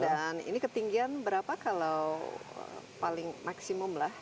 dan ini ketinggian berapa kalau paling maksimum lah